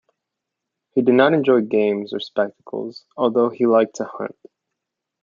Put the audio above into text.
He did not enjoy games or spectacles, although he liked to hunt.